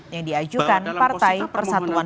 yang diajukan partai persatuan